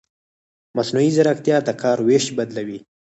مصنوعي ځیرکتیا د کار وېش بدلوي.